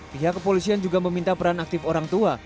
pihak kepolisian juga meminta peran aktif orang tua